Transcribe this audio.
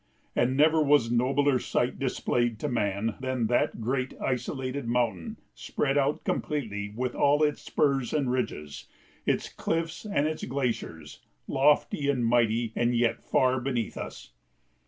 And never was nobler sight displayed to man than that great, isolated mountain spread out completely, with all its spurs and ridges, its cliffs and its glaciers, lofty and mighty and yet far beneath us.